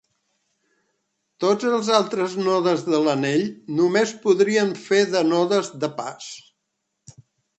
Tots els altres nodes de l'anell només podrien fer de nodes de pas.